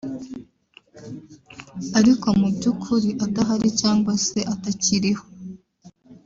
ariko mu by’ukuri adahari cyangwa se atakiriho